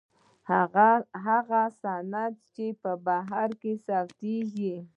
هغه اسناد چې بهر ثبتیږي.